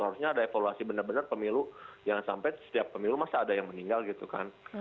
harusnya ada evaluasi benar benar pemilu jangan sampai setiap pemilu masa ada yang meninggal gitu kan